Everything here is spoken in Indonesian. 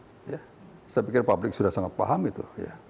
saya pikir publik sudah sangat paham itu